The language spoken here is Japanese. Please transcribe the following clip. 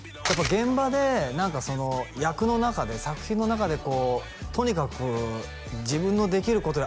現場で何か「役の中で作品の中でこうとにかく自分のできることで」